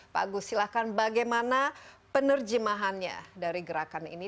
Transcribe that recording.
pak agus silahkan bagaimana penerjemahannya dari gerakan ini